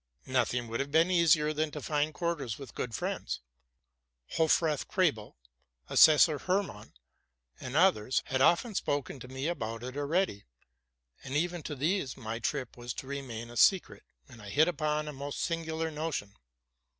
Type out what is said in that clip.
Nothing would have been easier than to find quarters with good friends. Hofrath Krebel, Assessor Hermann, and others, had often spoken to me about it already; but even to these my trip was to remain a secret, and I hit upon a most singu lar notion.